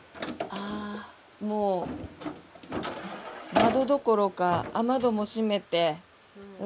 窓どころか雨戸も閉めて。